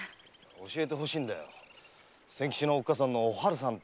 教えてほしいんだ千吉のおっかさんのおはるさんのことを。